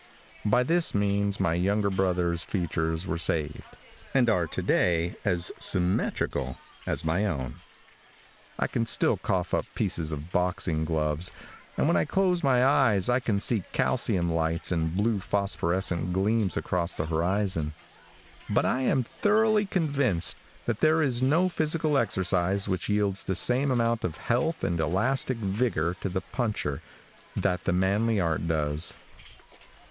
By this means my younger brother's features were saved, and are to day as symmetrical as my own. I can still cough up pieces of boxing gloves, and when I close my eyes I can see calcium lights and blue phosphorescent gleams across the horizon; but I am thoroughly convinced that there is no physical exercise which yields the same amount of health and elastic vigor to the puncher that the manly art does.